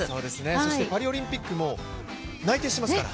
そしてパリオリンピックも内定していますから。